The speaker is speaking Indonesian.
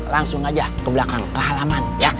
langsung aja ke belakang ke halaman